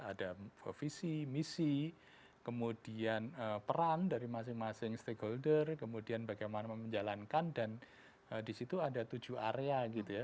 ada visi misi kemudian peran dari masing masing stakeholder kemudian bagaimana menjalankan dan disitu ada tujuh area gitu ya